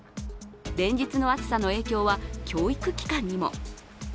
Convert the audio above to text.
連日の暑さの影響は教育機関にも。